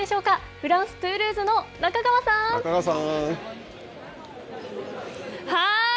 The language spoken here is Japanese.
フランス・トゥールーズのハーイ！